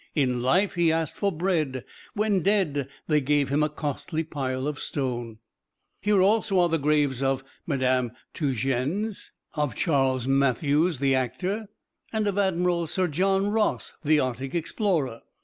In life he asked for bread; when dead they gave him a costly pile of stone. Here are also the graves of Madame Tietjens; of Charles Mathews, the actor; and of Admiral Sir John Ross, the Arctic explorer.